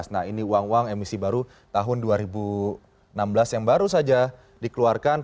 nah ini uang uang emisi baru tahun dua ribu enam belas yang baru saja dikeluarkan